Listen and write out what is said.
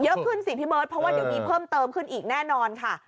เยอะขึ้นสิพี่เบิร์ตเพราะว่าเดี๋ยวมีเพิ่มเติมขึ้นอีกแน่นอนค่ะ